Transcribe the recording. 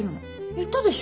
言ったでしょ？